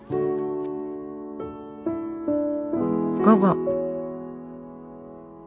午後。